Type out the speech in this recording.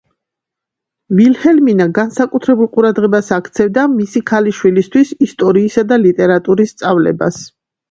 ვილჰელმინა განსაკუთრებულ ყურადღებას აქცევდა მისი ქალიშვილისთვის ისტორიისა და ლიტერატურის სწავლებას.